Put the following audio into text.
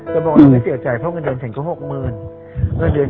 ฉันบอกว่าไม่เสียใจเพราะเงินเงินฉันก็หกหมื่น